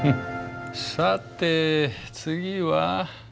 さて次は？